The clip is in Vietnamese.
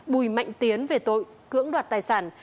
bùi mạnh tiến về tội cưỡng đoạt tài sản